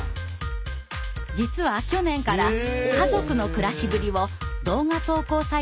実は去年から家族の暮らしぶりを動画投稿サイトにアップしているんです。